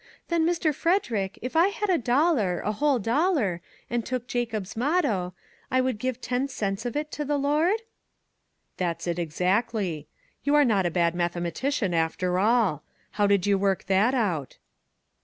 " Then, Mr. Frederick, if I had a dollar, a whole dollar, and took Jacob's motto, I would give ten cents of it to the Lord?" 177 MAG AND MARGARET " That's it exactly ; you are not a bad mathe matician, after all. How did you work that out?"